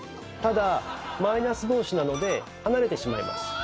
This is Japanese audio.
ただマイナス同士なので離れてしまいます。